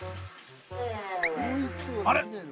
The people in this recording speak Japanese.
あれ？